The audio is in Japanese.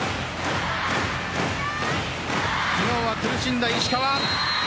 昨日は苦しんだ石川。